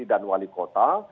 dan wali kota